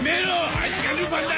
あいつがルパンだ！